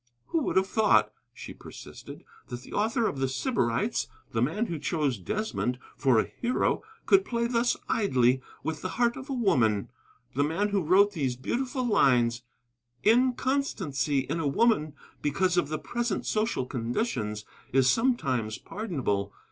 "Who would have thought," she persisted, "that the author of The Sybarites, the man who chose Desmond for a hero, could play thus idly with the heart of woman? The man who wrote these beautiful lines: 'Inconstancy in a woman, because of the present social conditions, is sometimes pardonable.